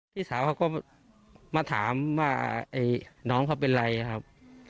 พี่สาวเขาก็มาถามว่าน้องเขาเป็นไรครับ